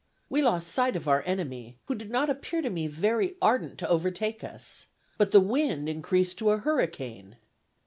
We lost sight of our enemy, who did not appear to me very ardent to overtake us. But the wind increased to a hurricane."